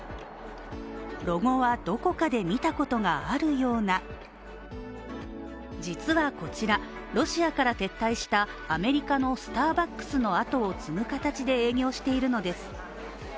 ロゴは、どこかで見たことがあるような実はこちらロシアから撤退したアメリカのスターバックスの後を継ぐ形で営業しているのです。